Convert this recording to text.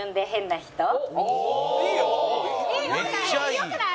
よくない？